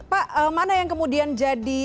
pak mana yang kemudian jadi